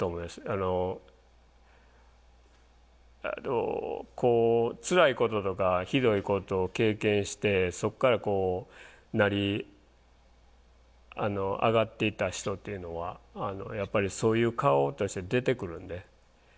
あのこうつらいこととかひどいことを経験してそっからこう成り上がっていった人っていうのはやっぱりそういう顔として出てくるんで。